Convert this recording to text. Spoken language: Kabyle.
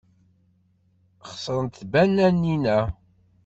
Xeṣrent tbananin-a.